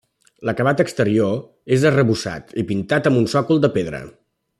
L'acabat exterior és arrebossat i pintat, amb un sòcol de pedra.